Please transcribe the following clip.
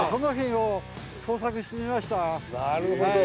なるほど。